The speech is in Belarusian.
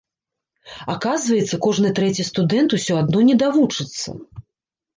Аказваецца кожны трэці студэнт усё адно не давучыцца.